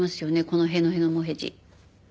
このへのへのもへじ。